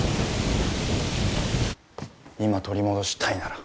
今取り戻したいなら。